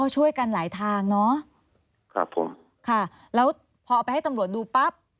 ช่วยกันหลายทางเนอะครับผมค่ะแล้วพอเอาไปให้ตำรวจดูปั๊บ